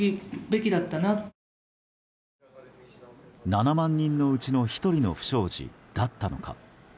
７万人のうちの１人の不祥事だったのか。